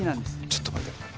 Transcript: ちょっと待て。